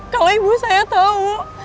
kalau ibu saya tahu